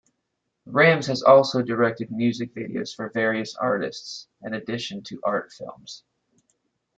Rams has also directed music videos for various artists, in addition to art films.